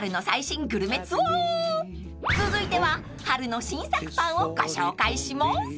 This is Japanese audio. ［続いては春の新作パンをご紹介します］